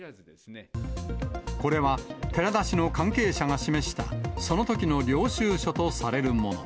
これは寺田氏の関係者が示したそのときの領収書とされるもの。